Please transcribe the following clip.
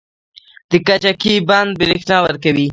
د کجکي بند بریښنا ورکوي